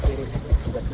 ini kena disini